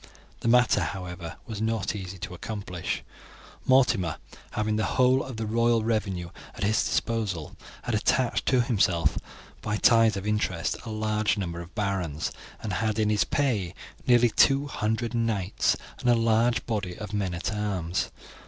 The matter, however, was not easy to accomplish. Mortimer having the whole of the royal revenue at his disposal, had attached to himself by ties of interest a large number of barons, and had in his pay nearly two hundred knights and a large body of men at arms.